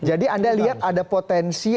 jadi anda lihat ada potensi